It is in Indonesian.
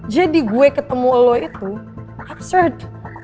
jadi gue ketemu lo itu absurd